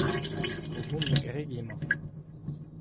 o vont da gregiñ emañ.